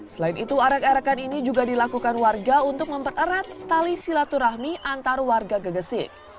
selain itu arak arakan ini juga dilakukan warga untuk mempererat tali silaturahmi antar warga gegesik